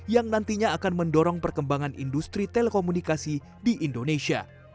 yang nantinya akan mendorong perkembangan industri telekomunikasi di indonesia